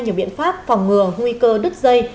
nhiều biện pháp phòng ngừa nguy cơ đứt dây